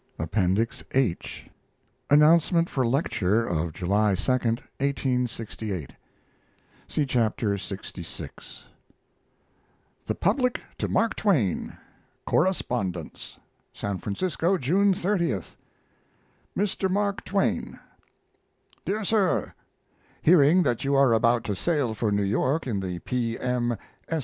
] APPENDIX H ANNOUNCEMENT FOR LECTURE OF JULY 2, 1868 (See Chapter lxvi) THE PUBLIC TO MARK TWAIN CORRESPONDENCE SAN FRANCISCO, June 30th. MR. MARK TWAIN DEAR SIR, Hearing that you are about to sail for New York in the P. M.